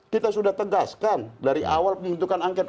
kita sudah tegaskan dari awal pembentukan angket